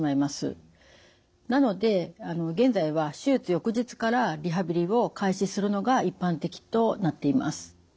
なので現在は手術翌日からリハビリを開始するのが一般的となっています。